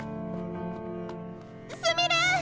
すみれ！